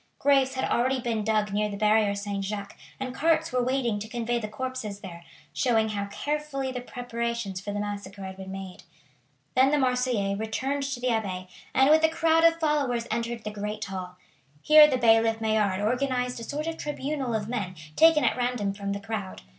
Graves had already been dug near the Barrier Saint Jacques and carts were waiting to convey the corpses there, showing how carefully the preparations for the massacre had been made. Then the Marseillais returned to the Abbaye, and, with a crowd of followers, entered the great hall. Here the bailiff Maillard organized a sort of tribunal of men taken at random from the crowd.